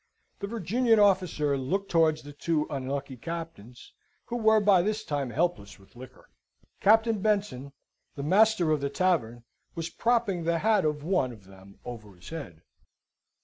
The Virginian officer looked towards the two unlucky captains, who were by this time helpless with liquor. Captain Benson, the master of the tavern, was propping the hat of one of them over his head.